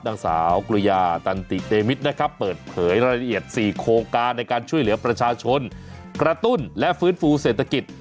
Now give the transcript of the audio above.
นางสาวกริยาตันติเตมิตรนะครับเปิดเผยรายละเอียด๔โครงการในการช่วยเหลือประชาชนกระตุ้นและฟื้นฟูเศรษฐกิจ